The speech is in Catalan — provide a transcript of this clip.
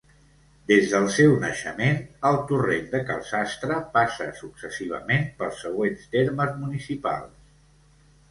Des del seu naixement, el Torrent de Cal Sastre passa successivament pels següents termes municipals.